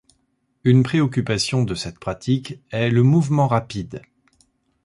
Une préoccupation de cette pratique est le mouvement rapide.